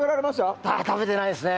ああ、食べてないですね。